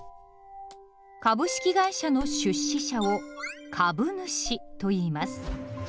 株式会社の出資者を「株主」といいます。